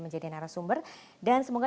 menjadi narasumber dan semoga